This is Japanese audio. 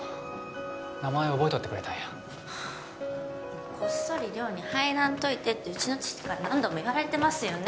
名前覚えとってくれたんやこっそり寮に入らんといてってうちの父から何度も言われてますよね？